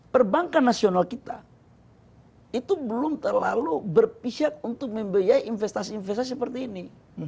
perbankan nasional kita itu belum terlalu berpihak untuk membiayai investasi investasi seperti ini